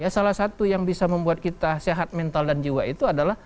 salah satu yang bisa membuat kita sehat mental dan jiwa itu adalah